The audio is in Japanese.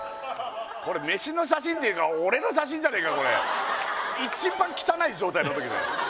これメシの写真っていうか俺の写真じゃねえかこれ一番汚い状態のときだよ